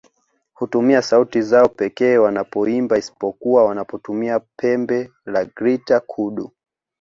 Hutumia sauti zao pekee wanapoimba isipokuwa wanapotumia pembe la Greater Kudu